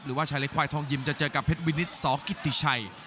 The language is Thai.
หรือว่าชายเล็กควายทองยิมจะเจอกับเพชรวินิตสกิติชัย